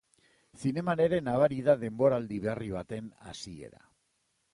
Zineman ere nabari da denboraldi berri baten hasiera.